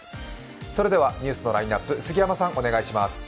それではニュースのラインナップ、杉山さん、お願いします。